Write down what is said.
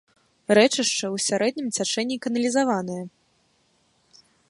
Рэчышча ў сярэднім цячэнні каналізаванае.